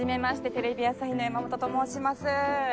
テレビ朝日の山本と申します。